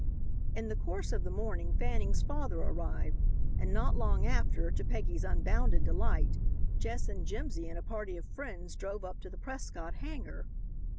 In the course of the morning Fanning's father arrived, and not long after, to Peggy's unbounded delight, Jess and Jimsy and a party of friends drove up to the Prescott hangar.